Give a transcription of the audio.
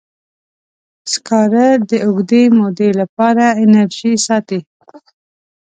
سکاره د اوږدې مودې لپاره انرژي ساتي.